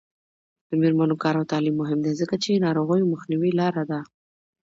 د میرمنو کار او تعلیم مهم دی ځکه چې ناروغیو مخنیوي لاره ده.